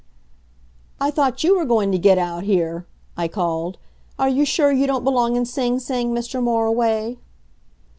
"I thought you were going to get out here," I called. "Are you sure you don't belong in Sing Sing, Mr. Moriway?"